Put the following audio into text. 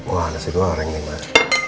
wah ada segoreng nih mak